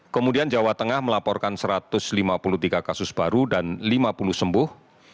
kemudian jawa tengah melaporkan satu ratus lima puluh tiga kasus baru dan lima puluh sembuh